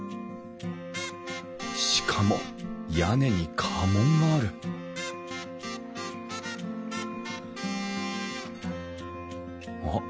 しかも屋根に家紋があるあっ